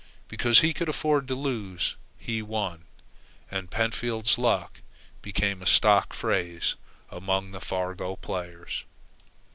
Because he could afford to lose, he won, and "Pentfield's luck" became a stock phrase among the faro players.